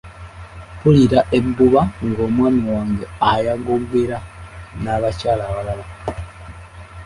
Mpulira ebbuba ng'omwami wange ayagogera n'abakyala abalala.